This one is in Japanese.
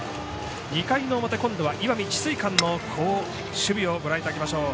２回の表今度は石見智翠館の守備をご覧いただきましょう。